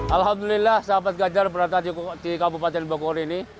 alhamdulillah sahabat ganjar berada di kabupaten bogor ini